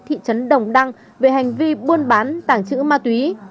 thị trấn đồng đăng về hành vi buôn bán tảng chữ ma túy